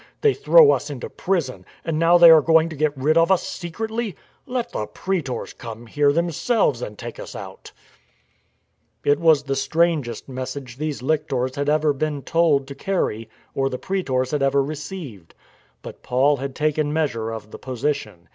They throw us into prison. And now they are going to get rid of us secretly ! Let the praetors come here themselves and take us out !" It was the strangest message these lictors had ever been told to carry or the prsetors had ever received. But Paul had taken measure of the position.